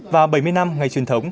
và bảy mươi năm ngày truyền thống